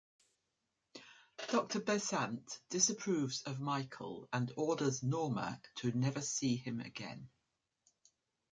Doctor Besant disapproves of Michael and orders Norma to never see him again.